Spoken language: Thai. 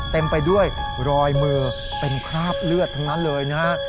เต็มไปด้วยรอยมือเป็นคราบเลือดทั้งนั้นเลยนะฮะ